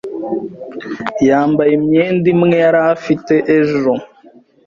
Yambaye imyenda imwe yari afite ejo.